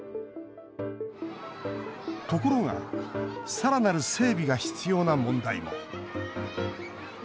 ところがさらなる整備が必要な問題も。